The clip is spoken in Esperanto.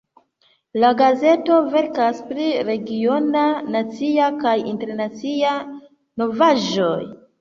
La gazeto verkas pri regiona, nacia kaj internacia novaĵoj.